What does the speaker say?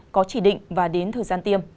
có chỉ định và đến thời gian tiêm